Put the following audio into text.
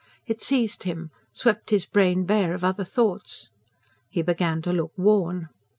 It seized him; swept his brain bare of other thoughts. He began to look worn.